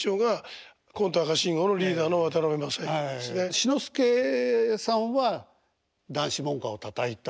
志の輔さんは談志門戸をたたいた。